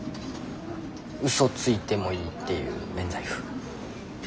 嘘ついてもいいっていう免罪符？